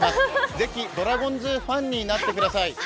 ぜひ、ドランゴンズファンになってください。